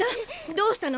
どうしたの？